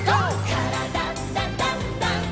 「からだダンダンダン」